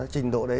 trình độ đấy